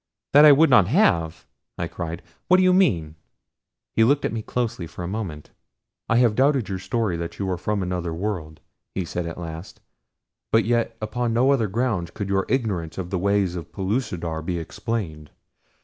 "That I would not have!" I cried. "What do you mean?" He looked at me closely for a moment. "I have doubted your story that you are from another world," he said at last, "but yet upon no other grounds could your ignorance of the ways of Pellucidar be explained.